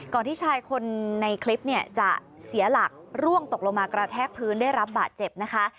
ที่ชายคนในคลิปเนี่ยจะเสียหลักร่วงตกลงมากระแทกพื้นได้รับบาดเจ็บนะคะ